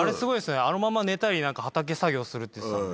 あのまま寝たり畑作業するって。